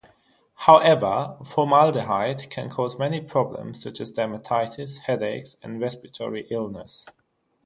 However, formaldehyde can cause many problems such as dermatitis, headaches, and respiratory illness.